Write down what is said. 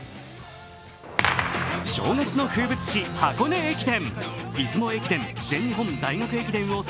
正月の風物詩、箱根駅伝。